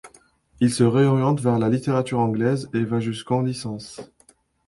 Il se réoriente vers la littérature anglaise et va jusqu'en licence.